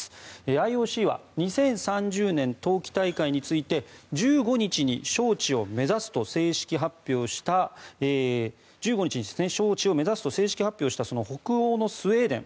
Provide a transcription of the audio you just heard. ＩＯＣは２０３０年冬季大会について１５日に招致を目指すと正式発表した北欧のスウェーデン。